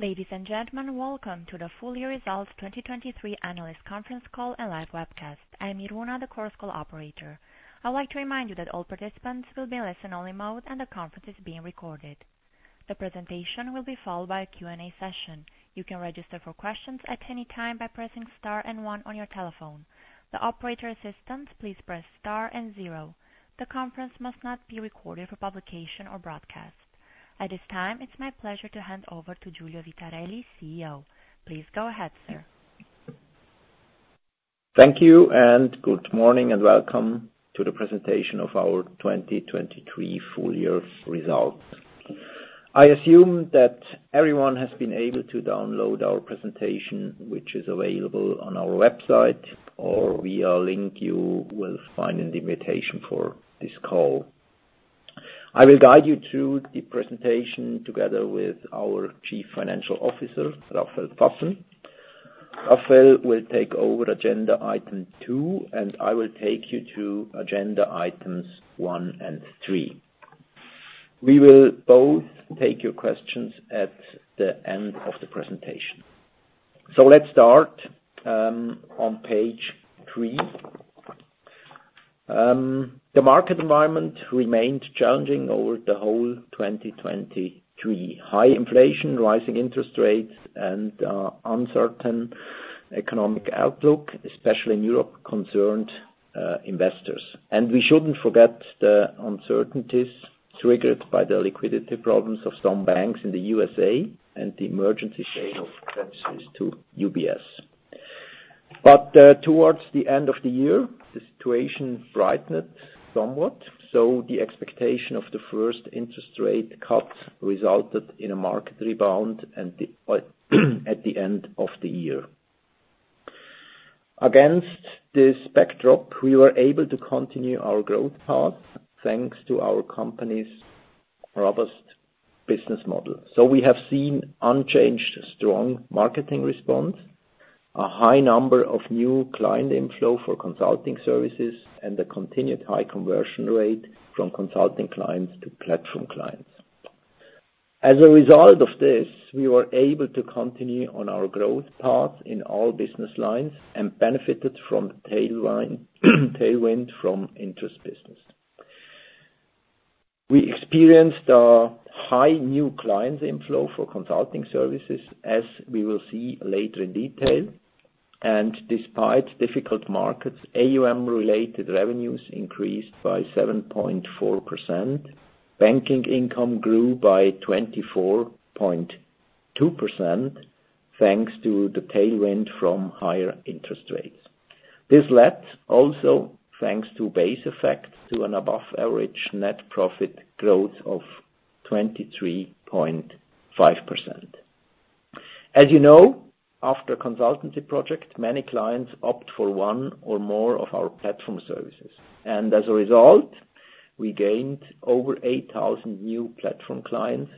Ladies and gentlemen, welcome to the Full Year Results 2023 Analyst Conference Call and Live Webcast. I'm Iruna, the conference call operator. I'd like to remind you that all participants will be in listen-only mode and the conference is being recorded. The presentation will be followed by a Q&A session. You can register for questions at any time by pressing star and 1 on your telephone. The operator assistance, please press star and 0. The conference must not be recorded for publication or broadcast. At this time, it's my pleasure to hand over to Giulio Vitarelli, CEO. Please go ahead, sir. Thank you, and good morning and welcome to the presentation of our 2023 full-year results. I assume that everyone has been able to download our presentation, which is available on our website, or via a link you will find in the invitation for this call. I will guide you through the presentation together with our Chief Financial Officer, Rafael Pfaffen. Rafael will take over agenda item 2, and I will take you to agenda items 1 and 3. We will both take your questions at the end of the presentation. So let's start on page 3. The market environment remained challenging over the whole 2023: high inflation, rising interest rates, and uncertain economic outlook, especially in Europe, concerned investors. We shouldn't forget the uncertainties triggered by the liquidity problems of some banks in the USA and the emergency sale of Credit Suisse to UBS. Towards the end of the year, the situation brightened somewhat, so the expectation of the first interest rate cut resulted in a market rebound at the end of the year. Against this backdrop, we were able to continue our growth path thanks to our company's robust business model. We have seen unchanged strong marketing response, a high number of new client inflow for consulting services, and a continued high conversion rate from consulting clients to platform clients. As a result of this, we were able to continue on our growth path in all business lines and benefited from tailwind from interest business. We experienced a high new clients inflow for consulting services, as we will see later in detail. Despite difficult markets, AUM-related revenues increased by 7.4%, banking income grew by 24.2% thanks to the tailwind from higher interest rates. This led also, thanks to base effect, to an above-average net profit growth of 23.5%. As you know, after a consultancy project, many clients opt for one or more of our platform services. And as a result, we gained over 8,000 new platform clients,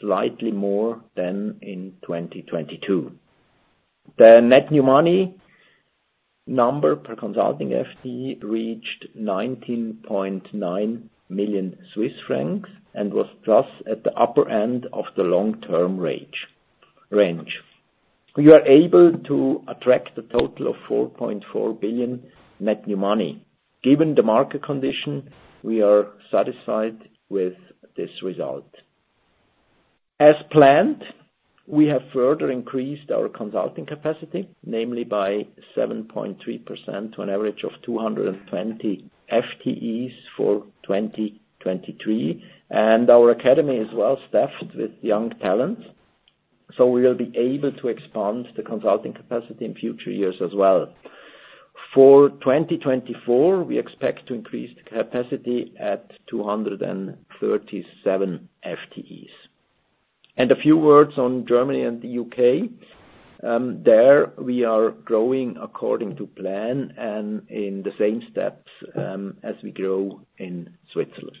slightly more than in 2022. The net new money number per consulting FTE reached 19.9 million Swiss francs and was thus at the upper end of the long-term range. We were able to attract a total of 4.4 billion net new money. Given the market condition, we are satisfied with this result. As planned, we have further increased our consulting capacity, namely by 7.3% to an average of 220 FTEs for 2023. And our academy is well-staffed with young talent, so we will be able to expand the consulting capacity in future years as well. For 2024, we expect to increase the capacity at 237 FTEs. A few words on Germany and the UK. There, we are growing according to plan and in the same steps as we grow in Switzerland.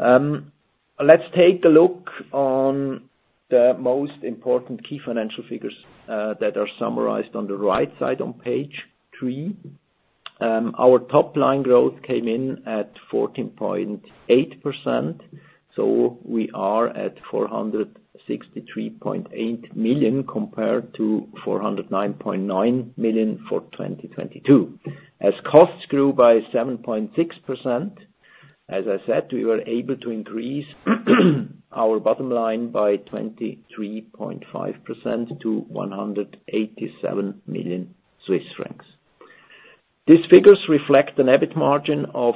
Let's take a look on the most important key financial figures that are summarized on the right side on page 3. Our top-line growth came in at 14.8%, so we are at 463.8 million compared to 409.9 million for 2022. As costs grew by 7.6%, as I said, we were able to increase our bottom line by 23.5% to 187 million Swiss francs. These figures reflect an EBIT margin of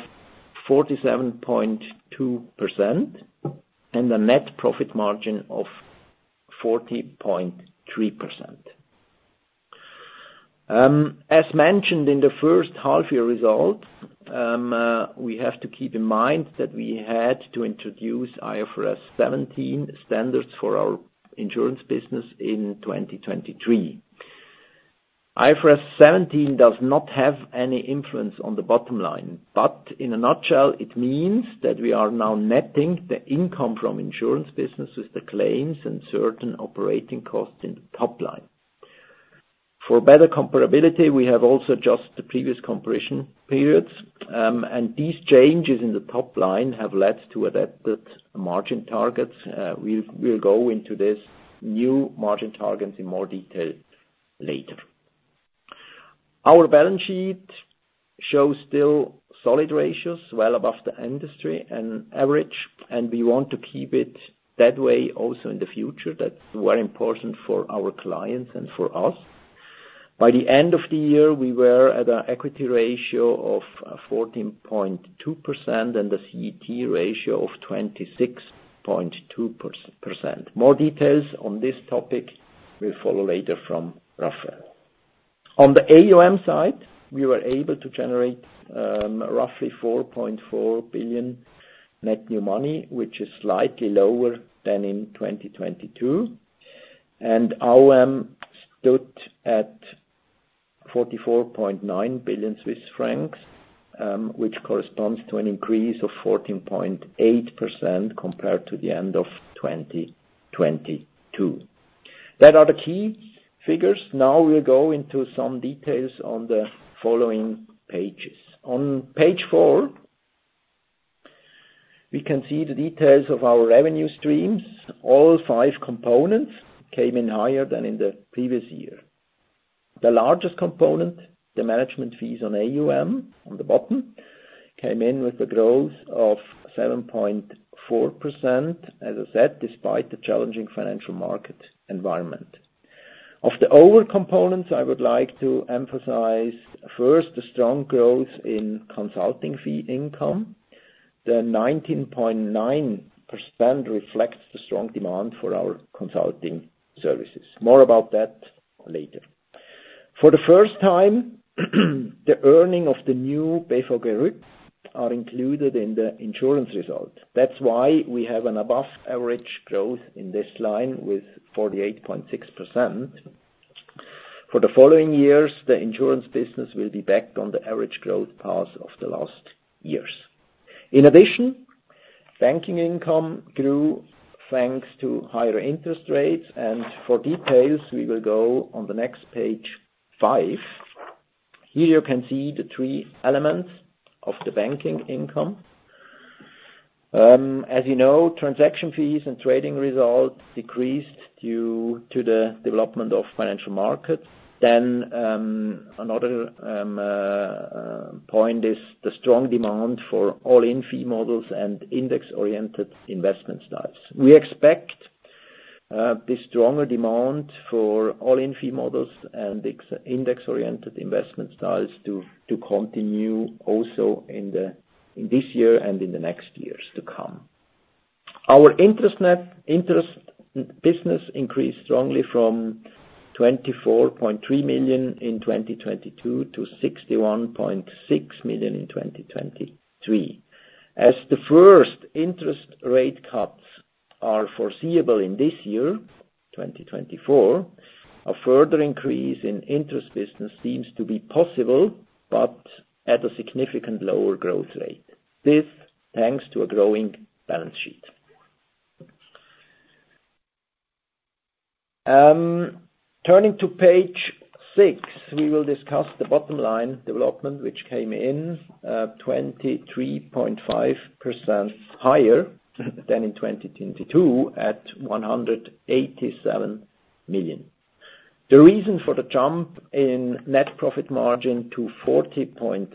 47.2% and a net profit margin of 40.3%. As mentioned in the first half-year results, we have to keep in mind that we had to introduce IFRS 17 standards for our insurance business in 2023. IFRS 17 does not have any influence on the bottom line, but in a nutshell, it means that we are now netting the income from insurance business with the claims and certain operating costs in the top line. For better comparability, we have also adjusted the previous comparison periods, and these changes in the top line have led to adapted margin targets. We'll go into these new margin targets in more detail later. Our balance sheet shows still solid ratios, well above the industry average, and we want to keep it that way also in the future. That's very important for our clients and for us. By the end of the year, we were at an equity ratio of 14.2% and a CET1 ratio of 26.2%. More details on this topic will follow later from Rafael. On the AUM side, we were able to generate roughly 4.4 billion net new money, which is slightly lower than in 2022. AUM stood at 44.9 billion Swiss francs, which corresponds to an increase of 14.8% compared to the end of 2022. Those are the key figures. Now we'll go into some details on the following pages. On page 4, we can see the details of our revenue streams. All five components came in higher than in the previous year. The largest component, the management fees on AUM on the bottom, came in with a growth of 7.4%, as I said, despite the challenging financial market environment. Of the other components, I would like to emphasize first the strong growth in consulting fee income. The 19.9% reflects the strong demand for our consulting services. More about that later. For the first time, the earnings of the new VZ Group are included in the insurance result. That's why we have an above-average growth in this line with 48.6%. For the following years, the insurance business will be back on the average growth path of the last years. In addition, banking income grew thanks to higher interest rates. For details, we will go on to the next page 5. Here, you can see the three elements of the banking income. As you know, transaction fees and trading results decreased due to the development of financial markets. Another point is the strong demand for all-in fee models and index-oriented investment styles. We expect this stronger demand for all-in fee models and index-oriented investment styles to continue also in this year and in the next years to come. Our interest business increased strongly from 24.3 million in 2022 to 61.6 million in 2023. As the first interest rate cuts are foreseeable in this year, 2024, a further increase in interest business seems to be possible but at a significant lower growth rate, thanks to a growing balance sheet. Turning to page 6, we will discuss the bottom line development, which came in 23.5% higher than in 2022 at 187 million. The reason for the jump in net profit margin to 40.3%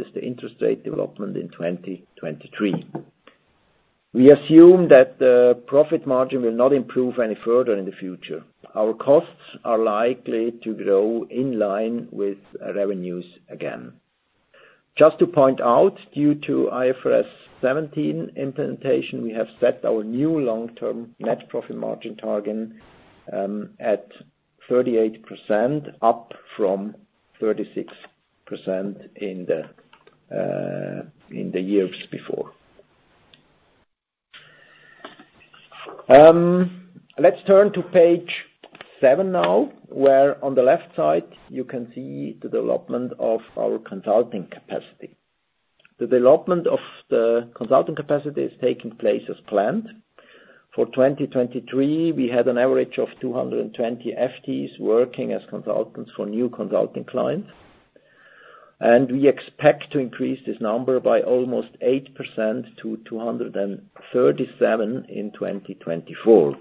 is the interest rate development in 2023. We assume that the profit margin will not improve any further in the future. Our costs are likely to grow in line with revenues again. Just to point out, due to IFRS 17 implementation, we have set our new long-term net profit margin target at 38%, up from 36% in the years before. Let's turn to page 7 now, where on the left side, you can see the development of our consulting capacity. The development of the consulting capacity is taking place as planned. For 2023, we had an average of 220 FTEs working as consultants for new consulting clients. We expect to increase this number by almost 8% to 237 in 2024.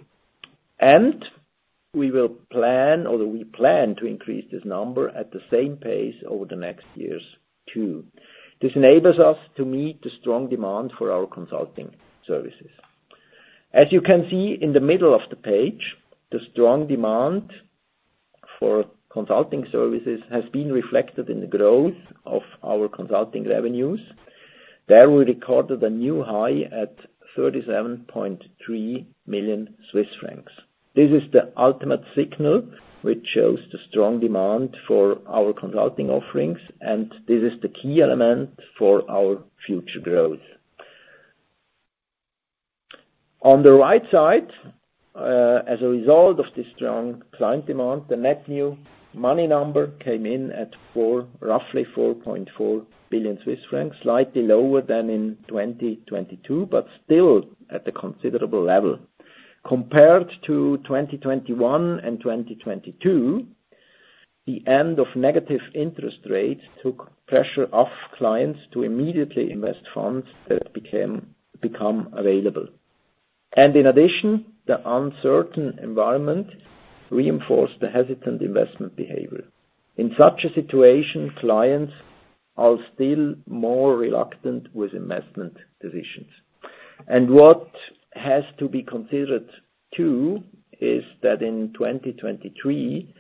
We will plan, or we plan to increase this number at the same pace over the next years too. This enables us to meet the strong demand for our consulting services. As you can see in the middle of the page, the strong demand for consulting services has been reflected in the growth of our consulting revenues. There, we recorded a new high at 37.3 million Swiss francs. This is the ultimate signal, which shows the strong demand for our consulting offerings, and this is the key element for our future growth. On the right side, as a result of this strong client demand, the net new money number came in at roughly 4.4 billion Swiss francs, slightly lower than in 2022 but still at a considerable level. Compared to 2021 and 2022, the end of negative interest rates took pressure off clients to immediately invest funds that became available. In addition, the uncertain environment reinforced the hesitant investment behavior. In such a situation, clients are still more reluctant with investment decisions. What has to be considered too is that in 2023,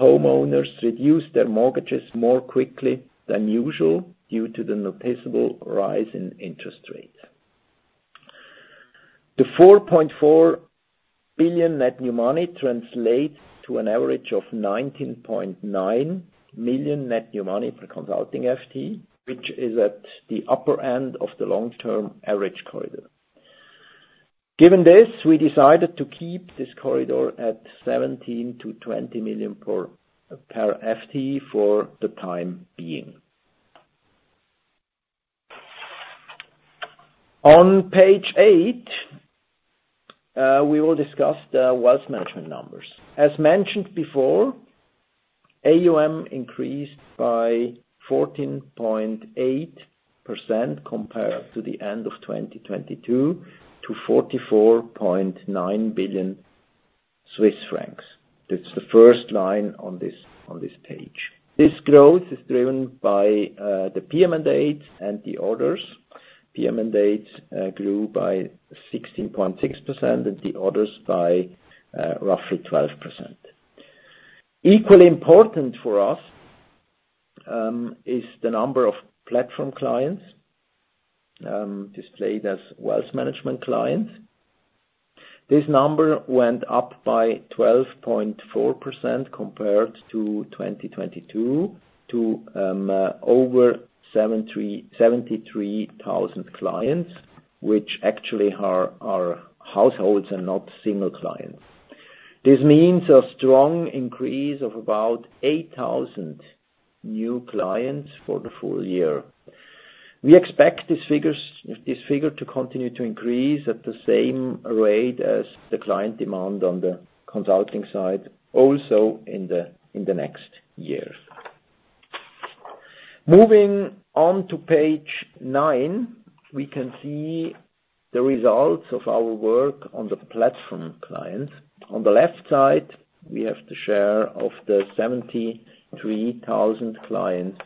homeowners reduced their mortgages more quickly than usual due to the noticeable rise in interest rates. The 4.4 billion net new money translates to an average of 19.9 million net new money per consulting FTE, which is at the upper end of the long-term average corridor. Given this, we decided to keep this corridor at 17 million-20 million per FTE for the time being. On page 8, we will discuss the wealth management numbers. As mentioned before, AUM increased by 14.8% compared to the end of 2022 to 44.9 billion Swiss francs. That's the first line on this page. This growth is driven by the PM mandates and the orders. PM mandates grew by 16.6% and the others by roughly 12%. Equally important for us is the number of platform clients displayed as wealth management clients. This number went up by 12.4% compared to 2022 to over 73,000 clients, which actually are households and not single clients. This means a strong increase of about 8,000 new clients for the full year. We expect this figure to continue to increase at the same rate as the client demand on the consulting side, also in the next year. Moving on to page 9, we can see the results of our work on the platform clients. On the left side, we have the share of the 73,000 clients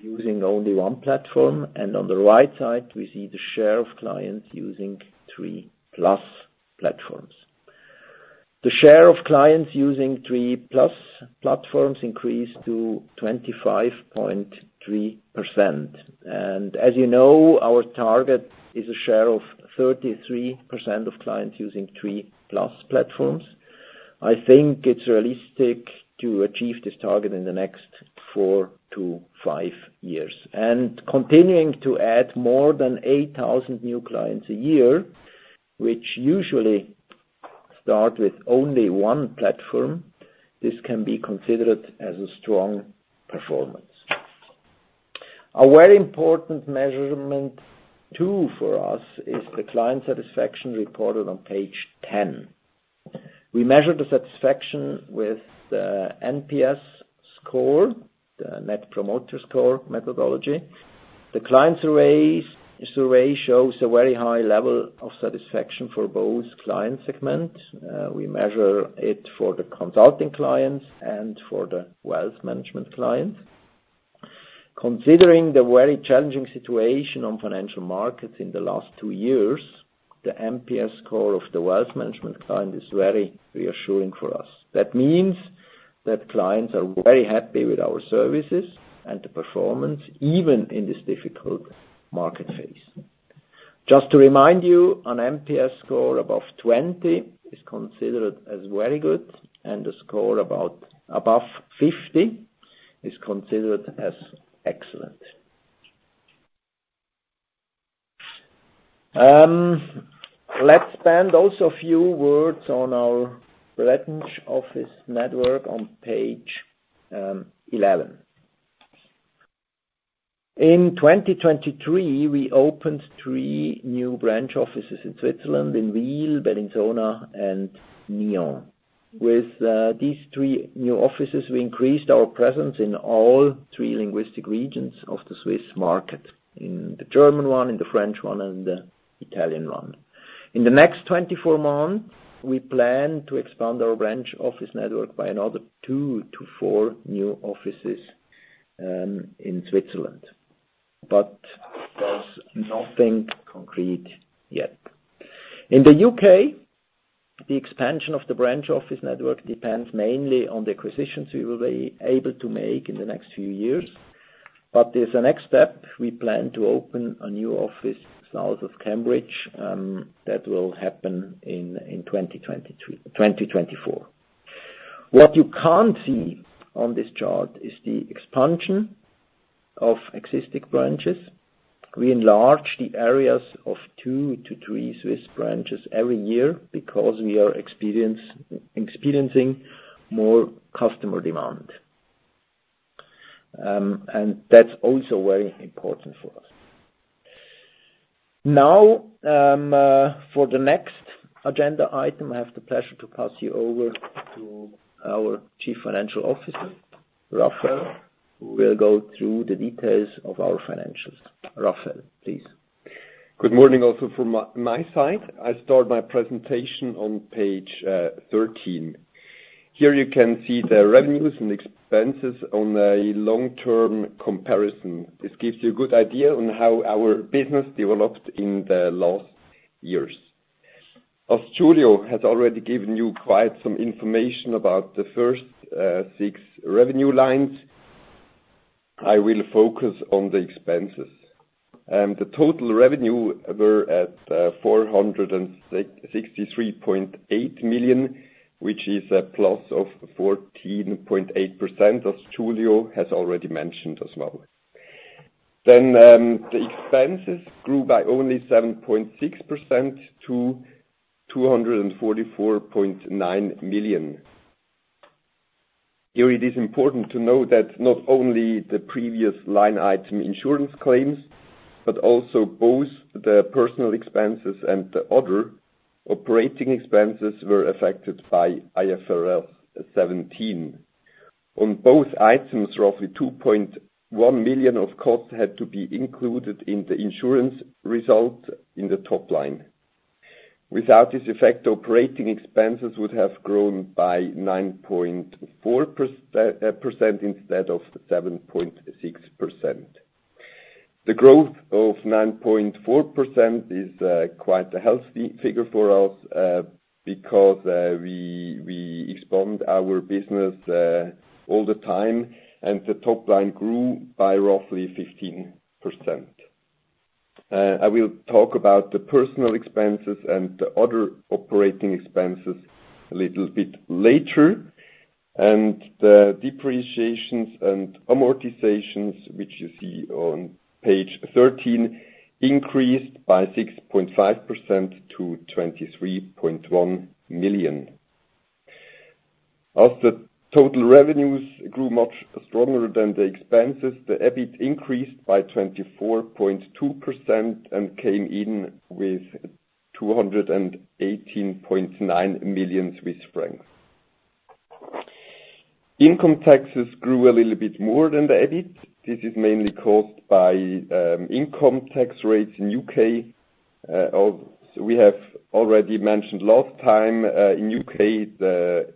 using only one platform, and on the right side, we see the share of clients using three-plus platforms. The share of clients using three-plus platforms increased to 25.3%. As you know, our target is a share of 33% of clients using three-plus platforms. I think it's realistic to achieve this target in the next four to five years. Continuing to add more than 8,000 new clients a year, which usually start with only one platform, this can be considered as a strong performance. A very important measurement too for us is the client satisfaction reported on page 10. We measured the satisfaction with the NPS score, the Net Promoter Score methodology. The client survey shows a very high level of satisfaction for both client segments. We measure it for the consulting clients and for the wealth management clients. Considering the very challenging situation on financial markets in the last two years, the NPS score of the wealth management client is very reassuring for us. That means that clients are very happy with our services and the performance, even in this difficult market phase. Just to remind you, an NPS score above 20 is considered as very good, and a score above 50 is considered as excellent. Let's spend also a few words on our branch office network on page 11. In 2023, we opened 3 new branch offices in Switzerland: in Wil, Bellinzona, and Nyon. With these 3 new offices, we increased our presence in all three linguistic regions of the Swiss market: in the German one, in the French one, and in the Italian one. In the next 24 months, we plan to expand our branch office network by another 2-4 new offices in Switzerland, but there's nothing concrete yet. In the U.K., the expansion of the branch office network depends mainly on the acquisitions we will be able to make in the next few years. But there's a next step. We plan to open a new office south of Cambridge that will happen in 2024. What you can't see on this chart is the expansion of existing branches. We enlarge the areas of two to three Swiss branches every year because we are experiencing more customer demand. That's also very important for us. Now, for the next agenda item, I have the pleasure to pass you over to our Chief Financial Officer, Rafael, who will go through the details of our financials. Rafael, please. Good morning also from my side. I start my presentation on page 13. Here, you can see the revenues and expenses on a long-term comparison. This gives you a good idea on how our business developed in the last years. As Giulio has already given you quite some information about the first six revenue lines, I will focus on the expenses. The total revenues were at 463.8 million, which is a plus of 14.8%, as Giulio has already mentioned as well. The expenses grew by only 7.6% to 244.9 million. Here, it is important to note that not only the previous line item insurance claims, but also both the personnel expenses and the other operating expenses were affected by IFRS 17. On both items, roughly 2.1 million of costs had to be included in the insurance result in the top line. Without this effect, operating expenses would have grown by 9.4% instead of 7.6%. The growth of 9.4% is quite a healthy figure for us because we expand our business all the time, and the top line grew by roughly 15%. I will talk about the personnel expenses and the other operating expenses a little bit later. The depreciations and amortizations, which you see on page 13, increased by 6.5% to 23.1 million. As the total revenues grew much stronger than the expenses, the EBIT increased by 24.2% and came in with 218.9 million Swiss francs. Income taxes grew a little bit more than the EBIT. This is mainly caused by income tax rates in the U.K. As we have already mentioned last time, in the U.K., the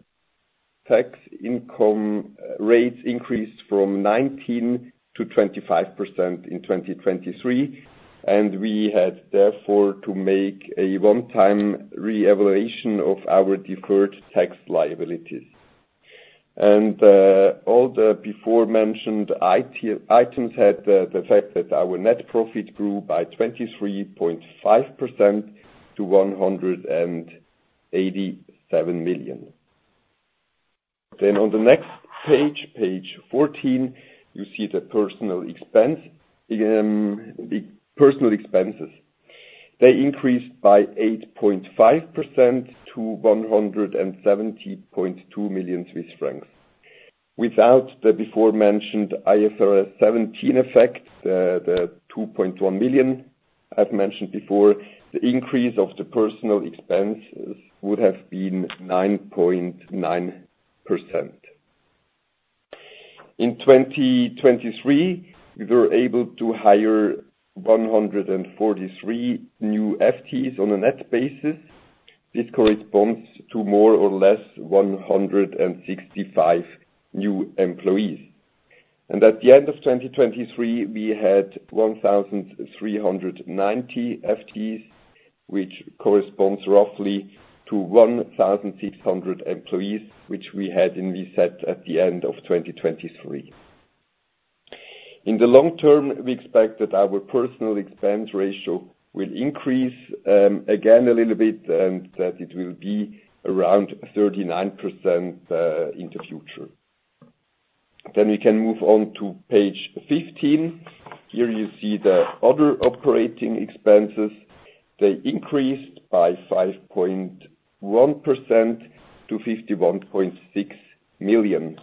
tax income rates increased from 19%-25% in 2023, and we had therefore to make a one-time reevaluation of our deferred tax liabilities. All the before-mentioned items had the fact that our net profit grew by 23.5% to 187 million. On the next page, page 14, you see the personnel expenses. They increased by 8.5% to 170.2 million Swiss francs. Without the before-mentioned IFRS 17 effect, the 2.1 million I've mentioned before, the increase of the personnel expenses would have been 9.9%. In 2023, we were able to hire 143 new FTEs on a net basis. This corresponds to more or less 165 new employees. At the end of 2023, we had 1,390 FTEs, which corresponds roughly to 1,600 employees, which we had in VZ at the end of 2023. In the long term, we expect that our personal expense ratio will increase again a little bit and that it will be around 39% in the future. Then we can move on to page 15. Here, you see the other operating expenses. They increased by 5.1% to 51.6 million.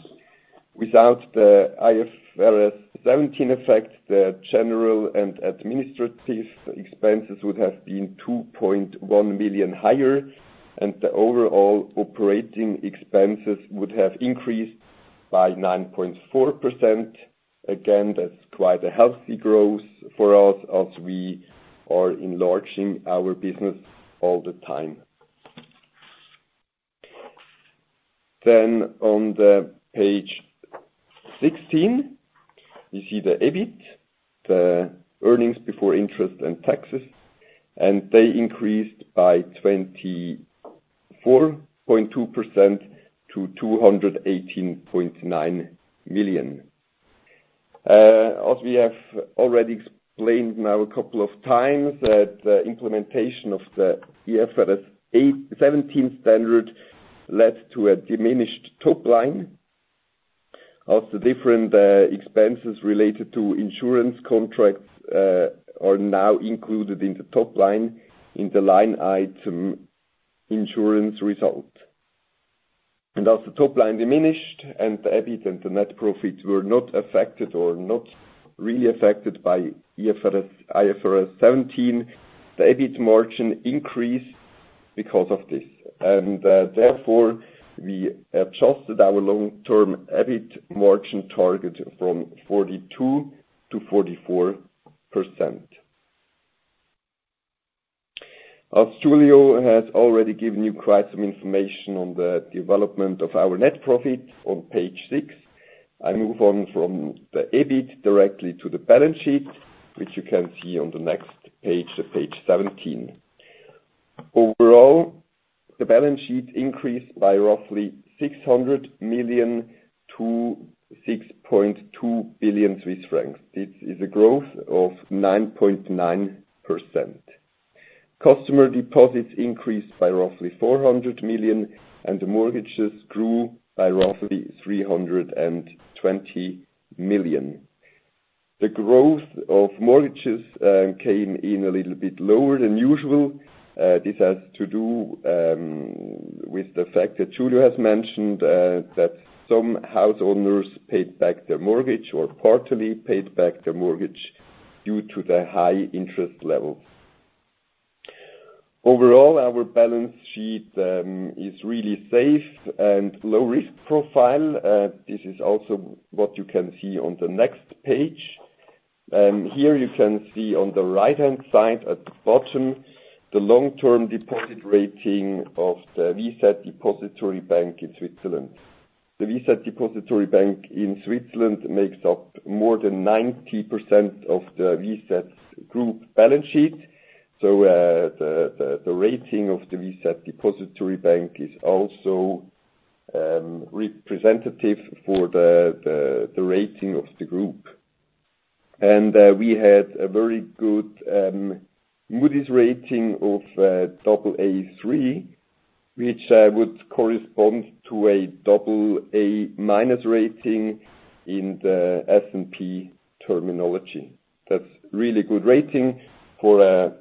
Without the IFRS 17 effect, the general and administrative expenses would have been 2.1 million higher, and the overall operating expenses would have increased by 9.4%. Again, that's quite a healthy growth for us as we are enlarging our business all the time. Then on page 16, you see the EBIT, the earnings before interest and taxes, and they increased by 24.2% to 218.9 million. As we have already explained now a couple of times, the implementation of the IFRS 17 standard led to a diminished top line. As the different expenses related to insurance contracts are now included in the top line in the line item insurance result. And as the top line diminished and the EBIT and the net profit were not affected or not really affected by IFRS 17, the EBIT margin increased because of this. And therefore, we adjusted our long-term EBIT margin target from 42% to 44%. As Giulio has already given you quite some information on the development of our net profit on page 6, I move on from the EBIT directly to the balance sheet, which you can see on the next page, page 17. Overall, the balance sheet increased by roughly 600 million to 6.2 billion Swiss francs. This is a growth of 9.9%. Customer deposits increased by roughly 400 million, and the mortgages grew by roughly 320 million. The growth of mortgages came in a little bit lower than usual. This has to do with the fact that Giulio has mentioned that some homeowners paid back their mortgage or partly paid back their mortgage due to the high interest levels. Overall, our balance sheet is really safe and low-risk profile. This is also what you can see on the next page. Here, you can see on the right-hand side at the bottom, the long-term deposit rating of the VZ Depository Bank in Switzerland. The VZ Depository Bank in Switzerland makes up more than 90% of the VZ Group balance sheet. So the rating of the VZ Depository Bank is also representative for the rating of the group. We had a very good Moody's rating of Aa3, which would correspond to a AA-rating in the S&P terminology. That's a really good rating for a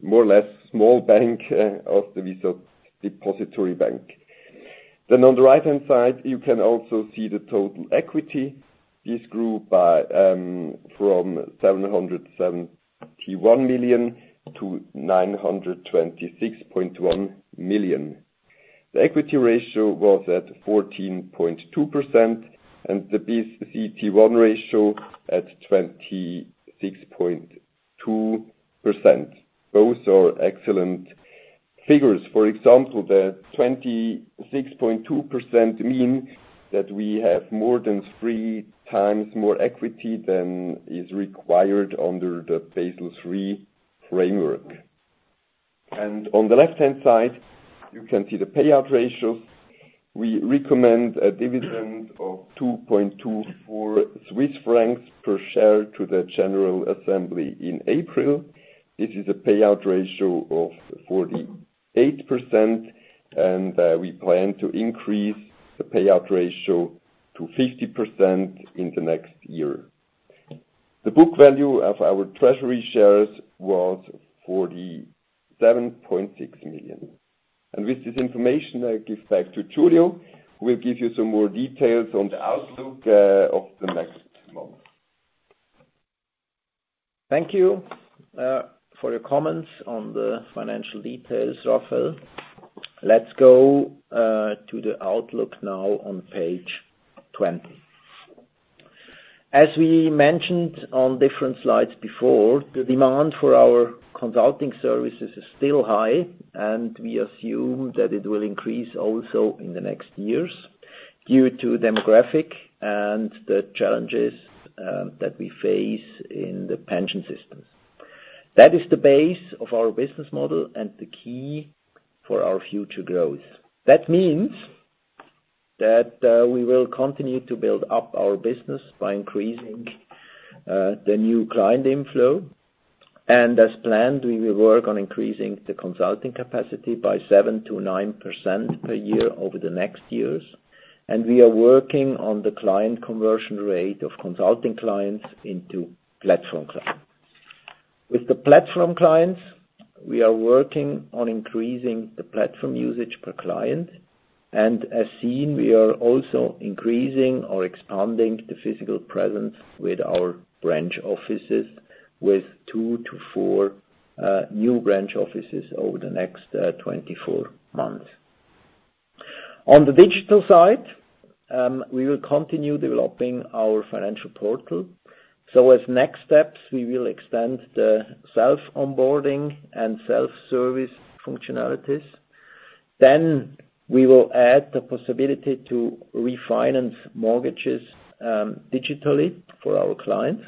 more or less small bank of the VZ Depository Bank. Then on the right-hand side, you can also see the total equity. This grew from 771 million to 926.1 million. The equity ratio was at 14.2% and the CET1 ratio at 26.2%. Both are excellent figures. For example, the 26.2% mean that we have more than three times more equity than is required under the Basel III framework. And on the left-hand side, you can see the payout ratios. We recommend a dividend of 2.24 Swiss francs per share to the general assembly in April. This is a payout ratio of 48%, and we plan to increase the payout ratio to 50% in the next year. The book value of our treasury shares was 47.6 million. With this information, I give back to Giulio, who will give you some more details on the outlook of the next month. Thank you for your comments on the financial details, Rafael. Let's go to the outlook now on page 20. As we mentioned on different slides before, the demand for our consulting services is still high, and we assume that it will increase also in the next years due to demographic and the challenges that we face in the pension systems. That is the base of our business model and the key for our future growth. That means that we will continue to build up our business by increasing the new client inflow. As planned, we will work on increasing the consulting capacity by 7%-9% per year over the next years. We are working on the client conversion rate of consulting clients into platform clients. With the platform clients, we are working on increasing the platform usage per client. As seen, we are also increasing or expanding the physical presence with our branch offices with 2-4 new branch offices over the next 24 months. On the digital side, we will continue developing our Financial Portal. As next steps, we will extend the self-onboarding and self-service functionalities. We will add the possibility to refinance mortgages digitally for our clients.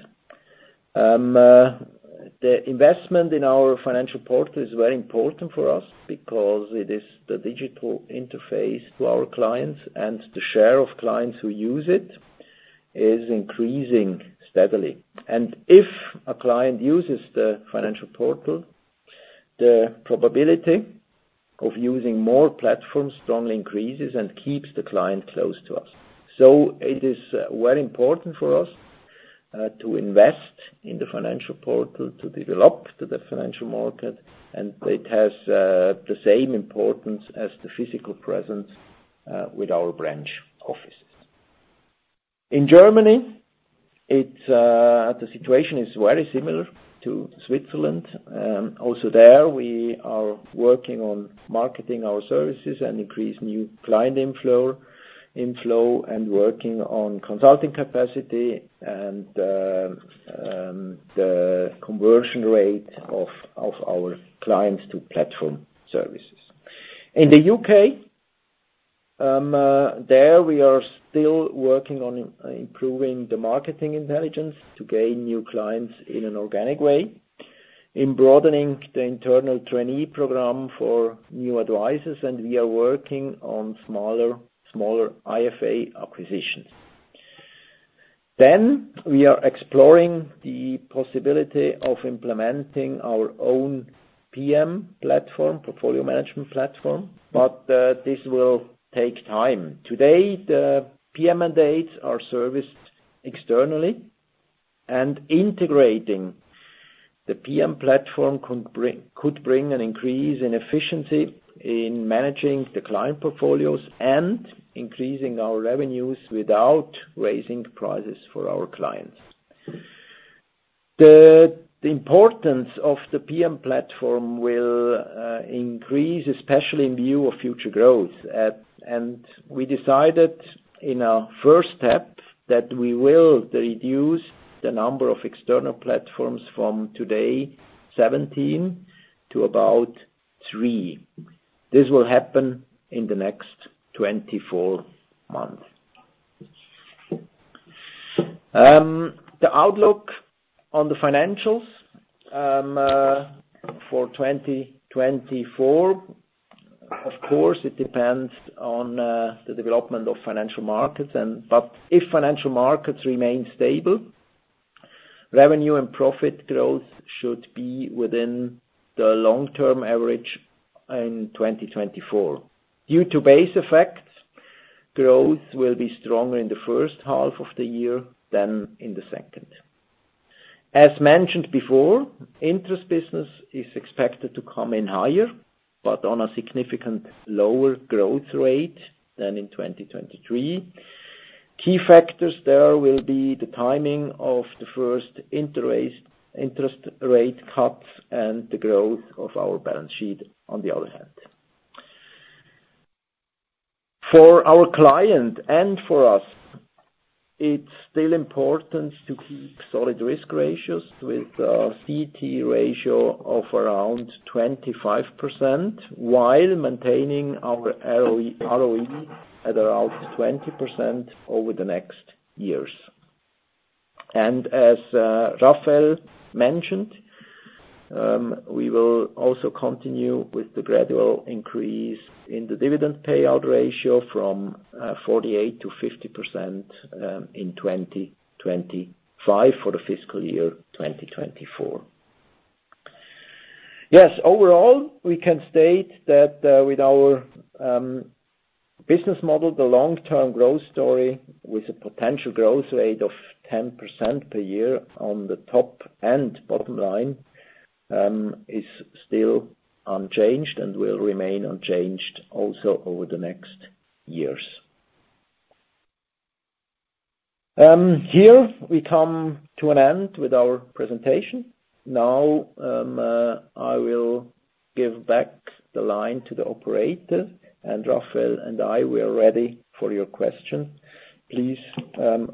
The investment in our Financial Portal is very important for us because it is the digital interface to our clients, and the share of clients who use it is increasing steadily. If a client uses the Financial Portal, the probability of using more platforms strongly increases and keeps the client close to us. So it is very important for us to invest in the financial portal to develop the financial market, and it has the same importance as the physical presence with our branch offices. In Germany, the situation is very similar to Switzerland. Also there, we are working on marketing our services and increasing new client inflow and working on consulting capacity and the conversion rate of our clients to platform services. In the U.K., there, we are still working on improving the marketing intelligence to gain new clients in an organic way, broadening the internal trainee program for new advisors, and we are working on smaller IFA acquisitions. Then we are exploring the possibility of implementing our own PM platform, portfolio management platform, but this will take time. Today, the PM mandates are serviced externally, and integrating the PM platform could bring an increase in efficiency in managing the client portfolios and increasing our revenues without raising prices for our clients. The importance of the PM platform will increase, especially in view of future growth. We decided in our first step that we will reduce the number of external platforms from today, 17, to about three. This will happen in the next 24 months. The outlook on the financials for 2024, of course, it depends on the development of financial markets. But if financial markets remain stable, revenue and profit growth should be within the long-term average in 2024. Due to base effects, growth will be stronger in the first half of the year than in the second. As mentioned before, interest business is expected to come in higher, but on a significantly lower growth rate than in 2023. Key factors there will be the timing of the first interest rate cuts and the growth of our balance sheet, on the other hand. For our client and for us, it's still important to keep solid risk ratios with a CET1 ratio of around 25% while maintaining our ROE at around 20% over the next years. And as Rafael mentioned, we will also continue with the gradual increase in the dividend payout ratio from 48%-50% in 2025 for the fiscal year 2024. Yes, overall, we can state that with our business model, the long-term growth story with a potential growth rate of 10% per year on the top and bottom line is still unchanged and will remain unchanged also over the next years. Here, we come to an end with our presentation. Now, I will give back the line to the operator, and Rafael and I we are ready for your questions. Please,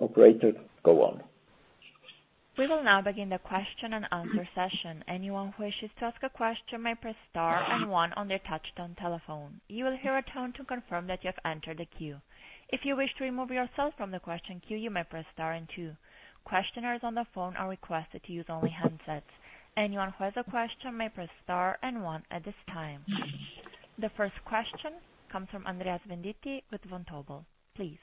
operator, go on. We will now begin the question-and-answer session. Anyone who wishes to ask a question may press star and one on their touch-tone telephone. You will hear a tone to confirm that you have entered the queue. If you wish to remove yourself from the question queue, you may press star and two. Questioners on the phone are requested to use only headsets. Anyone who has a question may press star and one at this time. The first question comes from Andreas Venditti with Vontobel. Please.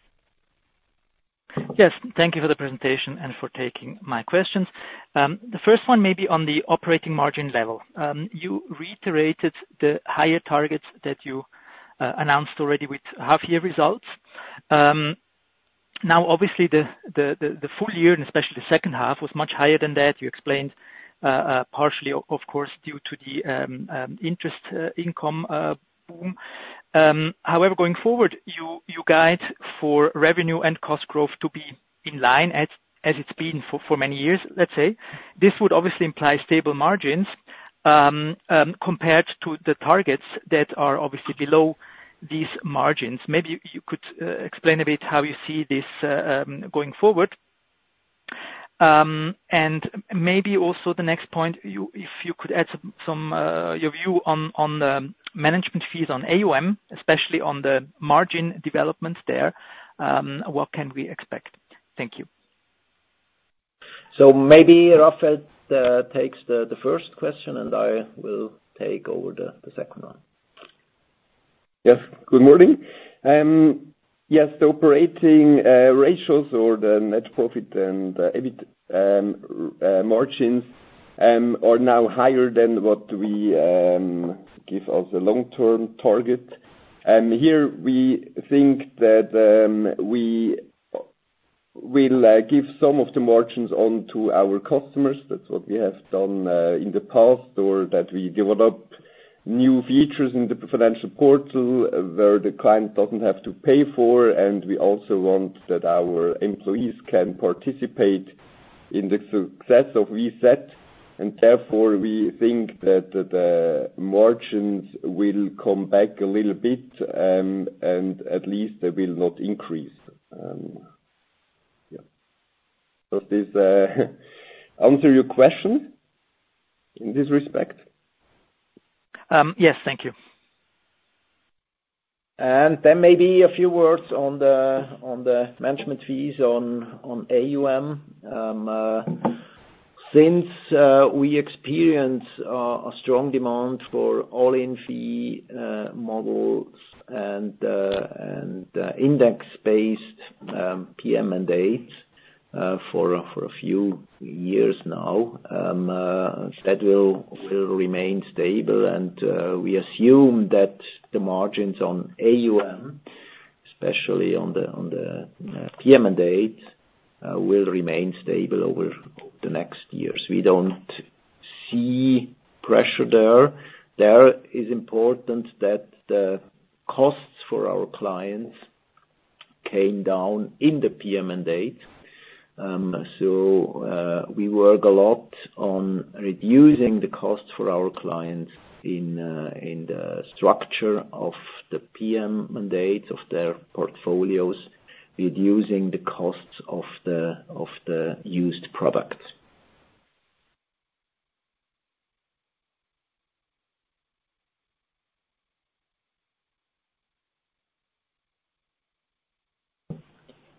Yes. Thank you for the presentation and for taking my questions. The first one may be on the operating margin level. You reiterated the higher targets that you announced already with half-year results. Now, obviously, the full year and especially the second half was much higher than that. You explained partially, of course, due to the interest income boom. However, going forward, you guide for revenue and cost growth to be in line as it's been for many years, let's say. This would obviously imply stable margins compared to the targets that are obviously below these margins. Maybe you could explain a bit how you see this going forward. And maybe also the next point, if you could add your view on the management fees on AUM, especially on the margin development there, what can we expect? Thank you. So maybe Rafael takes the first question, and I will take over the second one. Yes. Good morning. Yes, the operating ratios or the net profit and EBIT margins are now higher than what we give as a long-term target. Here, we think that we will give some of the margins on to our customers. That's what we have done in the past or that we develop new features in the financial portal where the client doesn't have to pay for. And we also want that our employees can participate in the success of VZ. And therefore, we think that the margins will come back a little bit, and at least they will not increase. Yeah. Does this answer your question in this respect? Yes. Thank you. And then maybe a few words on the management fees on AUM. Since we experience a strong demand for all-in fee models and index-based PM mandates for a few years now, that will remain stable. And we assume that the margins on AUM, especially on the PM mandates, will remain stable over the next years. We don't see pressure there. It is important that the costs for our clients came down in the PM mandate. So we work a lot on reducing the costs for our clients in the structure of the PM mandates of their portfolios, reducing the costs of the used products.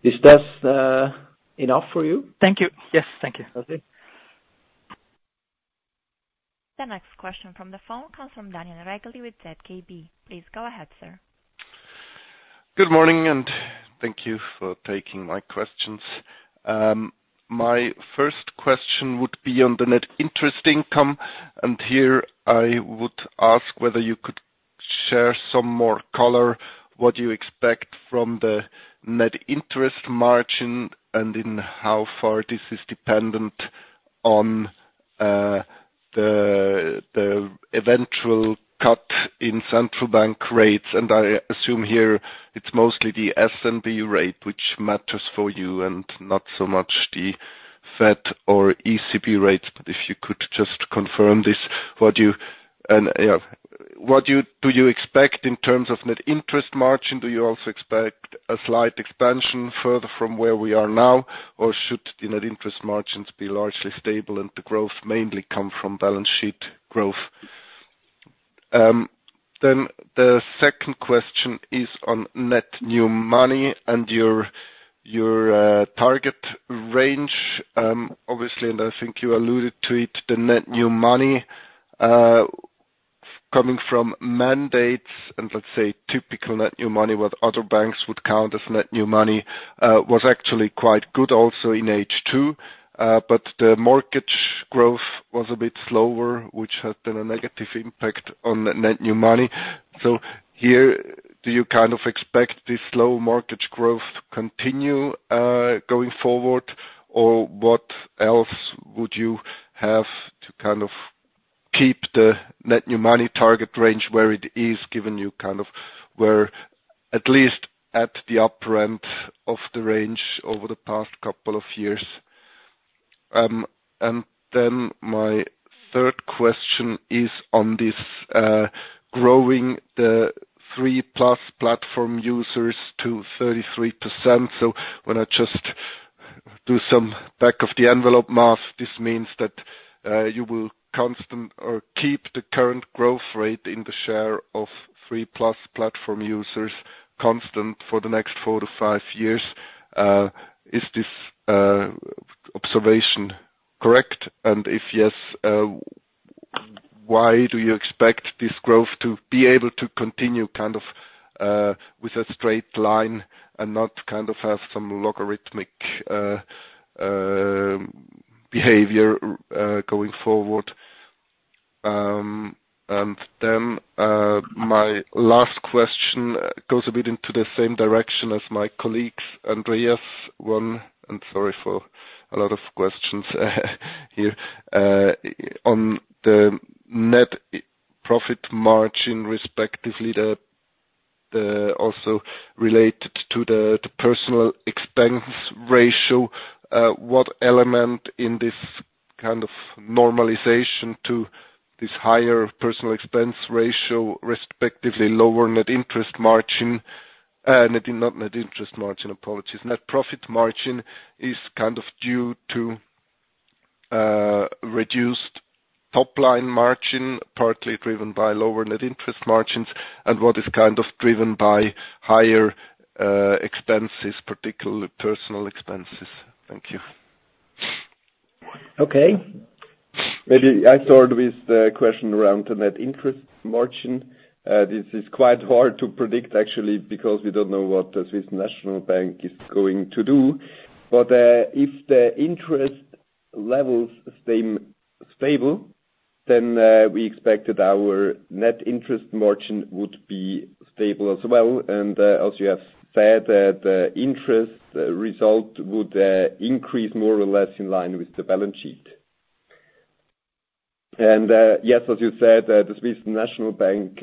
Is this enough for you? Thank you. Yes. Thank you. Okay. The next question from the phone comes from Daniel Regli with ZKB. Please go ahead, sir. Good morning, and thank you for taking my questions. My first question would be on the net interest income. And here, I would ask whether you could share some more color, what you expect from the net interest margin, and in how far this is dependent on the eventual cut in central bank rates. I assume here it's mostly the SNB rate, which matters for you and not so much the Fed or ECB rates. If you could just confirm this, what do you expect in terms of net interest margin? Do you also expect a slight expansion further from where we are now, or should the net interest margins be largely stable and the growth mainly come from balance sheet growth? The second question is on net new money and your target range. Obviously, and I think you alluded to it, the net new money coming from mandates and, let's say, typical net new money, what other banks would count as net new money, was actually quite good also in H2. The mortgage growth was a bit slower, which had been a negative impact on net new money. So here, do you kind of expect this slow mortgage growth to continue going forward, or what else would you have to kind of keep the Net New Money target range where it is, given you kind of were at least at the upper end of the range over the past couple of years? And then my third question is on growing the 3+ platform users to 33%. So when I just do some back-of-the-envelope math, this means that you will keep the current growth rate in the share of 3+ platform users constant for the next 4-5 years. Is this observation correct? And if yes, why do you expect this growth to be able to continue kind of with a straight line and not kind of have some logarithmic behavior going forward? Then my last question goes a bit into the same direction as my colleagues, Andreas one. Sorry for a lot of questions here. On the net profit margin, respectively, also related to the personnel expense ratio, what element in this kind of normalization to this higher personnel expense ratio, respectively, lower net interest margin not net interest margin, apologies. Net profit margin is kind of due to reduced top-line margin, partly driven by lower net interest margins, and what is kind of driven by higher expenses, particularly personnel expenses. Thank you. Okay. Maybe I start with the question around the net interest margin. This is quite hard to predict, actually, because we don't know what the Swiss National Bank is going to do. But if the interest levels stay stable, then we expect that our net interest margin would be stable as well. As you have said, the interest result would increase more or less in line with the balance sheet. Yes, as you said, the Swiss National Bank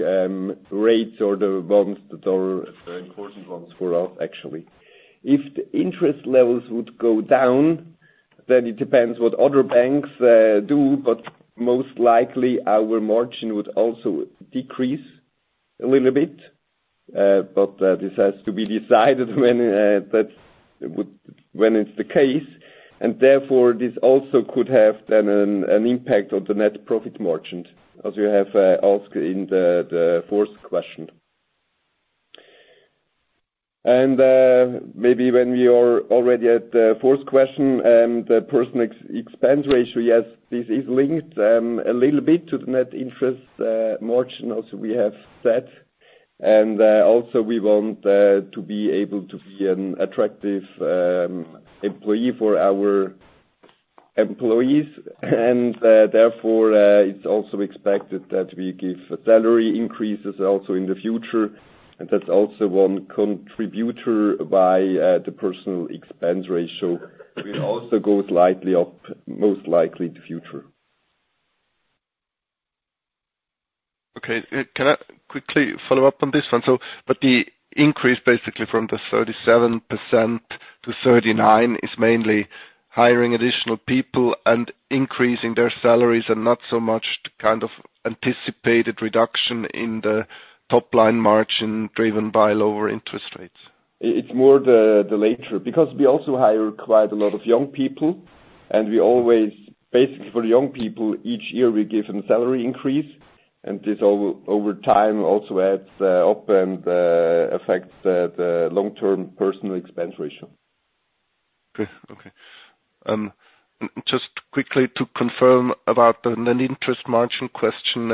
rates are the ones that are the important ones for us, actually. If the interest levels would go down, then it depends what other banks do. Most likely, our margin would also decrease a little bit. But this has to be decided when it's the case. Therefore, this also could have then an impact on the net profit margin, as you have asked in the fourth question. Maybe when we are already at the fourth question, the personnel expense ratio, yes, this is linked a little bit to the net interest margin, as we have said. Also, we want to be able to be an attractive employer for our employees. Therefore, it's also expected that we give salary increases also in the future. And that's also one contributor why the personnel expense ratio will also go slightly up, most likely, in the future. Okay. Can I quickly follow up on this one? But the increase, basically, from the 37% to 39% is mainly hiring additional people and increasing their salaries and not so much the kind of anticipated reduction in the top-line margin driven by lower interest rates? It's more the latter because we also hire quite a lot of young people. And basically, for young people, each year, we give a salary increase. And this over time also adds up and affects the long-term personnel expense ratio. Okay. Okay. Just quickly to confirm about the net interest margin question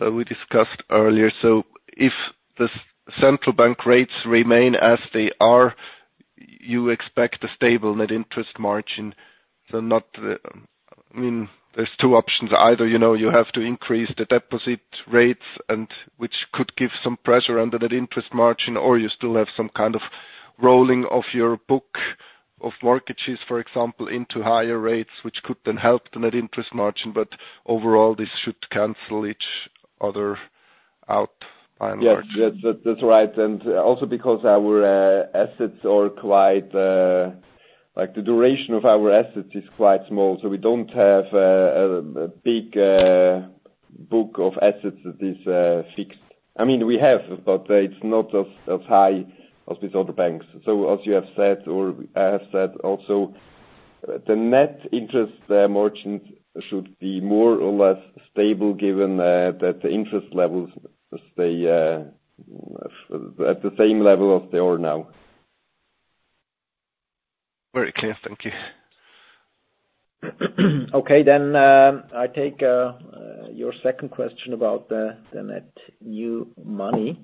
we discussed earlier. So if the central bank rates remain as they are, you expect a stable net interest margin. So I mean, there are 2 options. Either you have to increase the deposit rates, which could give some pressure on the net interest margin, or you still have some kind of rolling of your book of mortgages, for example, into higher rates, which could then help the net interest margin. But overall, this should cancel each other out by and large. Yes. That's right. And also because our assets are quite the duration of our assets is quite small. So we don't have a big book of assets that is fixed. I mean, we have, but it's not as high as with other banks. So as you have said or I have said also, the net interest margin should be more or less stable given that the interest levels stay at the same level as they are now. Very clear. Thank you. Okay. Then I take your second question about the net new money.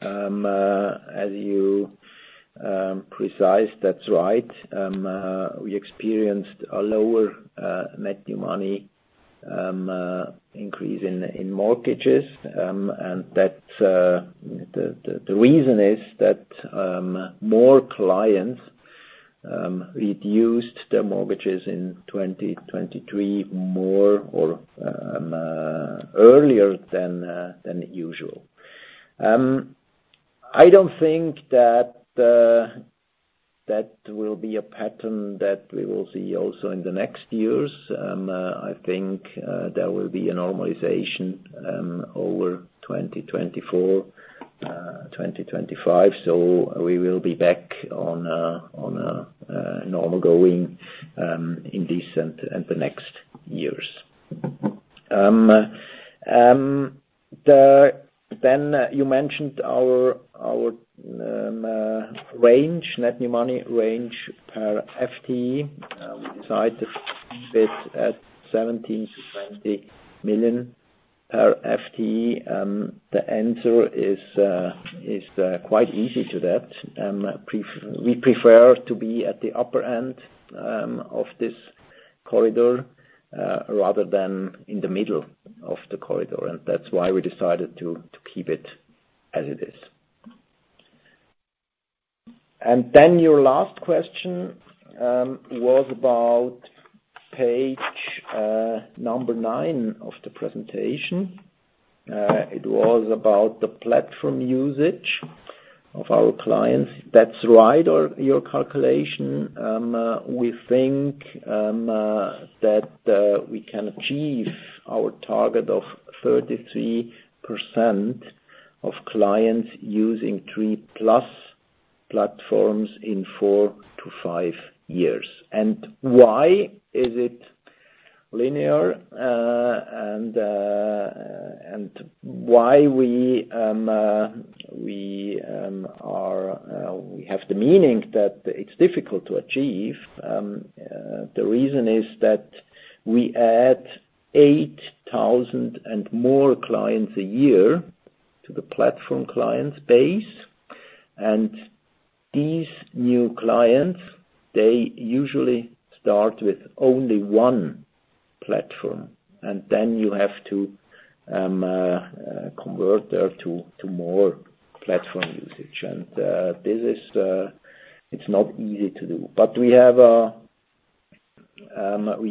As you specified, that's right. We experienced a lower net new money increase in mortgages. And the reason is that more clients reduced their mortgages in 2023 more or earlier than usual. I don't think that that will be a pattern that we will see also in the next years. I think there will be a normalization over 2024, 2025. So we will be back on a normal going in these and the next years. Then you mentioned our range, net new money range per FTE. We decided to set at 17 million-20 million per FTE. The answer is quite easy to that. We prefer to be at the upper end of this corridor rather than in the middle of the corridor. That's why we decided to keep it as it is. Then your last question was about page number 9 of the presentation. It was about the platform usage of our clients. That's right, your calculation. We think that we can achieve our target of 33% of clients using 3+ platforms in 4-5 years. And why is it linear? And why we have the meaning that it's difficult to achieve? The reason is that we add 8,000+ clients a year to the platform clients base. And these new clients, they usually start with only one platform. And then you have to convert there to more platform usage. And it's not easy to do. But we are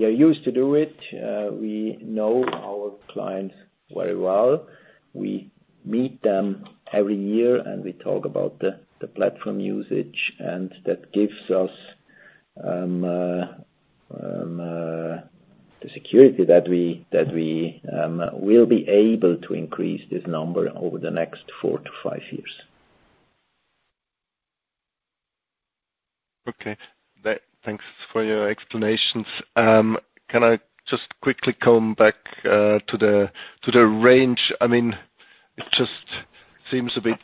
used to do it. We know our clients very well. We meet them every year, and we talk about the platform usage. And that gives us the security that we will be able to increase this number over the next 4-5 years. Okay. Thanks for your explanations. Can I just quickly come back to the range? I mean, it just seems a bit,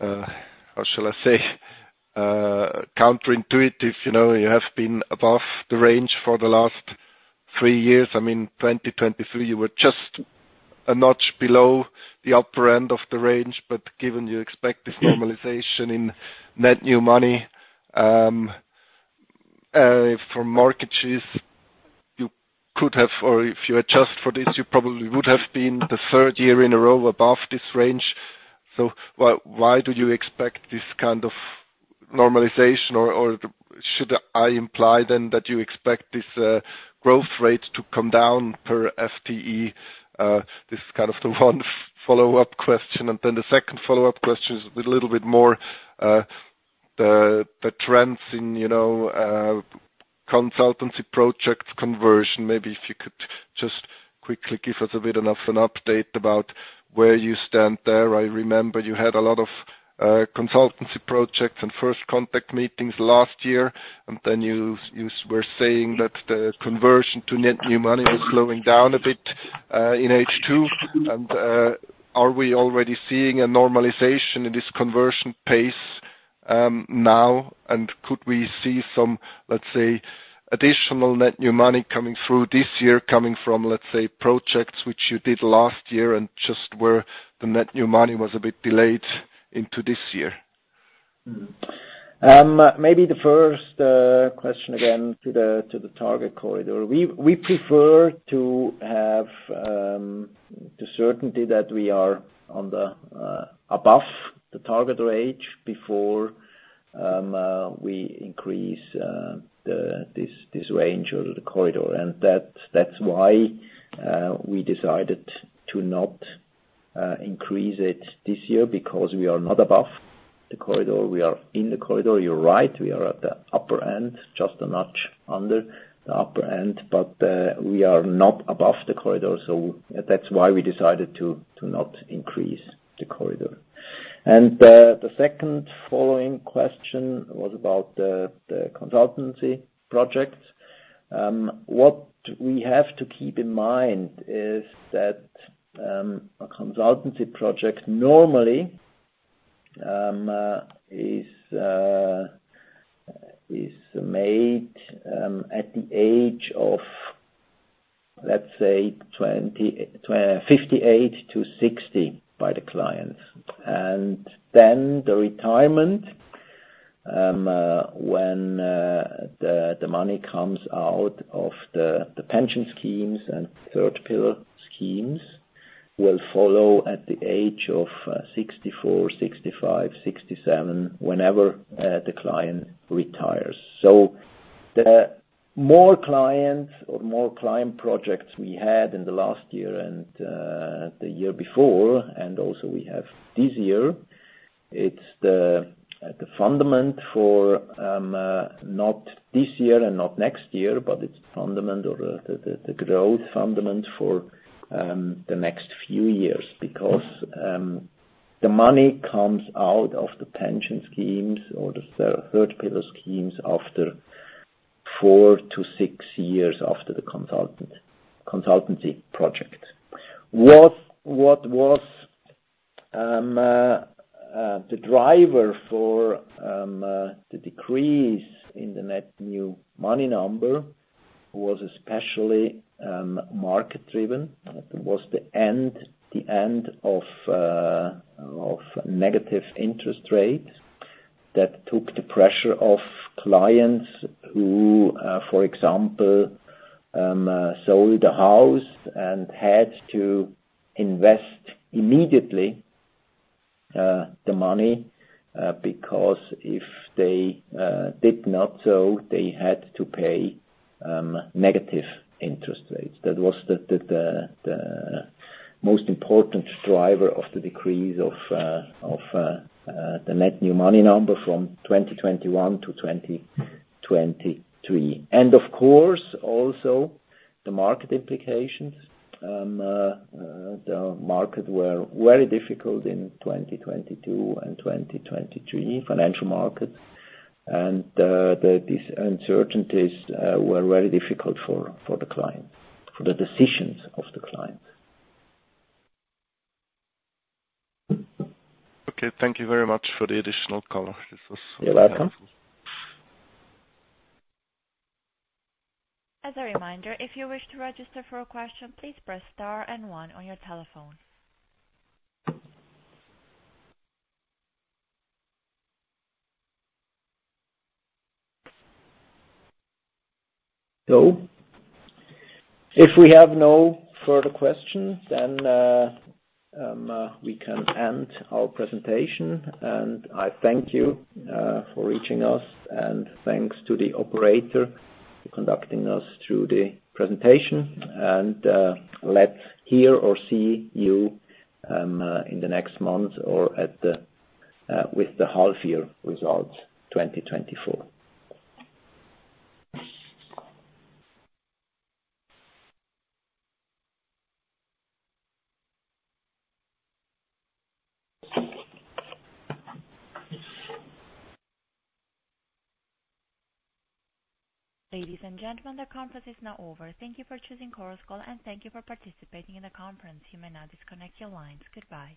how shall I say, counterintuitive. You have been above the range for the last 3 years. I mean, 2023, you were just a notch below the upper end of the range. But given you expect this normalization in net new money for mortgages, you could have or if you adjust for this, you probably would have been the third year in a row above this range. So why do you expect this kind of normalization? Or should I imply then that you expect this growth rate to come down per FTE? This is kind of the one follow-up question. And then the second follow-up question is a little bit more the trends in consultancy projects conversion. Maybe if you could just quickly give us a bit of an update about where you stand there. I remember you had a lot of consultancy projects and first contact meetings last year. And then you were saying that the conversion to net new money was slowing down a bit in H2. And are we already seeing a normalization in this conversion pace now? And could we see some, let's say, additional net new money coming through this year, coming from, let's say, projects which you did last year and just where the net new money was a bit delayed into this year? Maybe the first question again to the target corridor. We prefer to have the certainty that we are above the target range before we increase this range or the corridor. And that's why we decided to not increase it this year because we are not above the corridor. We are in the corridor. You're right. We are at the upper end, just a notch under the upper end. But we are not above the corridor. So that's why we decided to not increase the corridor. And the second following question was about the consultancy projects. What we have to keep in mind is that a consultancy project normally is made at the age of, let's say, 58-60 by the clients. Then the retirement, when the money comes out of the pension schemes and third-pillar schemes, will follow at the age of 64, 65, 67, whenever the client retires. So the more clients or more client projects we had in the last year and the year before, and also we have this year, it's the fundament for not this year and not next year, but it's the fundament or the growth fundament for the next few years because the money comes out of the pension schemes or the third-pillar schemes after 4-6 years after the consultancy project. What was the driver for the decrease in the net new money number was especially market-driven. It was the end of negative interest rates that took the pressure off clients who, for example, sold a house and had to invest immediately the money because if they did not so, they had to pay negative interest rates. That was the most important driver of the decrease of the net new money number from 2021 to 2023. Of course, also, the market implications. The markets were very difficult in 2022 and 2023, financial markets. These uncertainties were very difficult for the clients, for the decisions of the clients. Okay. Thank you very much for the additional color. This was very helpful. You're welcome. As a reminder, if you wish to register for a question, please press star and one on your telephone. So if we have no further questions, then we can end our presentation. I thank you for reaching us. Thanks to the operator for conducting us through the presentation. Let's hear or see you in the next month or with the half-year results, 2024. Ladies and gentlemen, the conference is now over. Thank you for choosing Chorus Call, and thank you for participating in the conference. You may now disconnect your lines. Goodbye.